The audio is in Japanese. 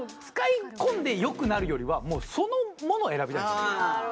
使い込んでよくなるよりはもうそのものを選びたい。